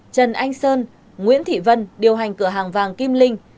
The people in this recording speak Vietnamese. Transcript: trần anh sơn nguyễn thị vân điều hành cửa hàng vàng kim linh